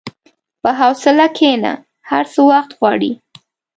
په حوصله کښېنه، هر څه وخت غواړي.